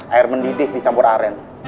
air mendidih dicampur aren